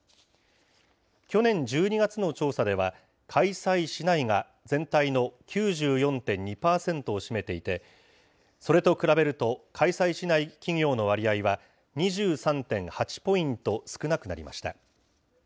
去年１２月の調査では、開催しないが全体の９４．２％を占めていて、それと比べると開催しない企業の割合は、２３．８ポイント少なくなりました。